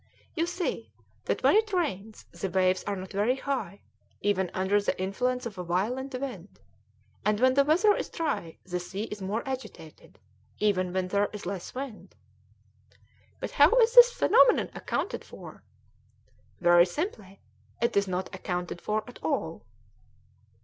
You see that when it rains the waves are not very high, even under the influence of a violent wind, and when the weather is dry the sea is more agitated, even when there is less wind." "But how is this phenomenon accounted for?" "Very simply; it is not accounted for at all."